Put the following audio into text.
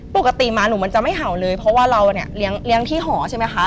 ปกติหมาหนูมันจะไม่เห่าเลยเพราะว่าเราเนี่ยเลี้ยงที่หอใช่ไหมคะ